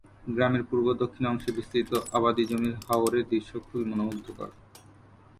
গ্রামের পূর্ব-দক্ষিণ অংশে বিস্তৃত আবাদি জমির হাওরের দৃশ্য খুবই মনোমুগ্ধকর।